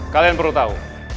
kalian perlu tahu